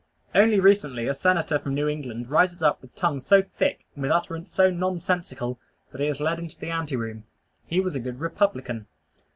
Only recently a Senator from New England rises up with tongue so thick, and with utterance so nonsensical, that he is led into the anteroom. He was a good "Republican."